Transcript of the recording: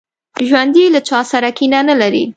ژوندي له چا سره کینه نه لري